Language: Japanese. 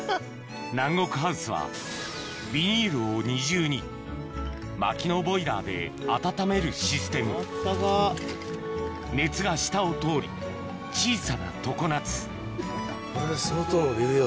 南国ハウスはビニールを二重に薪のボイラーで暖めるシステム熱が下を通り小さな常夏相当いいよ